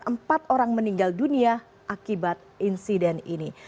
empat orang meninggal dunia akibat insiden ini